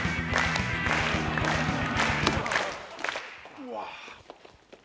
うわ。